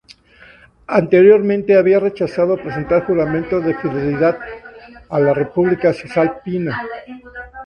Anteriormente, había rechazado prestar juramento de fidelidad a la República Cisalpina.